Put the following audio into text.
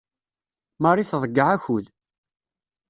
Marie tḍeyyeɛ akud.